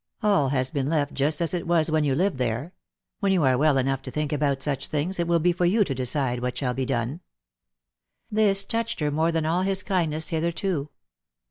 All has been leftijust as it was when you lived there. When you are well enough to think about such things, it will be for you to decide what shall be done." This touched her more than all his kindness hitherto.